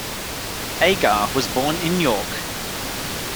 Agar was born in York.